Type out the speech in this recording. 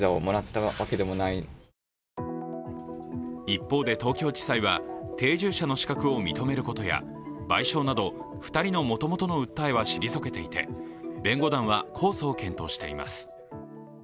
一方で東京地裁は定住者の資格を認めることや賠償など２人のもともとの訴えは退けていて弁護団は控訴を検討しています。